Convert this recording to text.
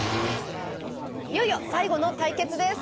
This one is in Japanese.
いよいよ最後の対決です！